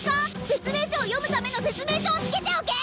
説明書を読むための説明書をつけておけ！